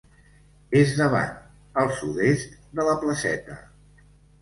És davant, al sud-est, de la Placeta.